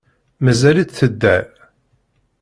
Mazal-itt tedder.